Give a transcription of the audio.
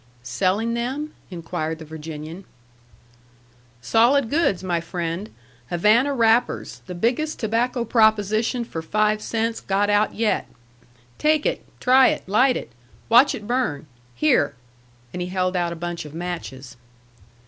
"Selling them?" inquired the Virginian. "Solid goods, my friend. Havana wrappers, the biggest tobacco proposition for five cents got out yet. Take it, try it, light it, watch it burn. Here." And he held out a bunch of matches.